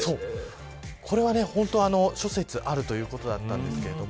これも本当は諸説あるということだったんですけれども